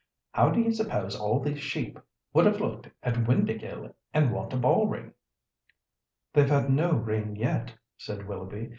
How do you suppose all these sheep would have looked at Windāhgil and Wantabalree?" "They've had no rain yet," said Willoughby.